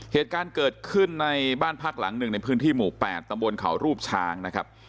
เหตุการณ์เกิดขึ้นในบ้านพักหลังหนึ่งในพื้นที่หมู่๘ตำบลเขารูปช้างนะครับ